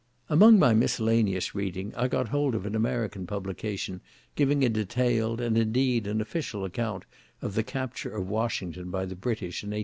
Among my miscellaneous reading, I got hold of an American publication giving a detailed, and, indeed, an official account of the capture of Washington by the British, in 1814.